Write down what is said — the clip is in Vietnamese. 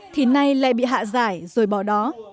thì nay lại bị hạ giải rồi bỏ đó